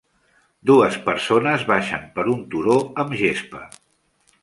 Dues persones baixen per un turó amb gespa